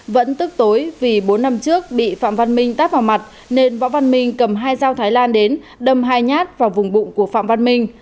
vẫn tức tối vì bốn năm trước bị phạm văn minh táp vào mặt nên võ văn minh cầm hai dao thái lan đến đâm hai nhát vào vùng bụng của phạm văn minh